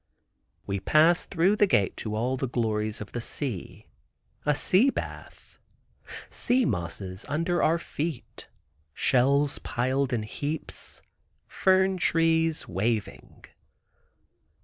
We pass through the gate to all the glories of the sea. A sea bath—sea mosses under our feet, shells piled in heaps, fern trees waving.